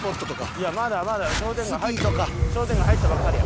いやまだまだ商店街商店街入ったばっかりや。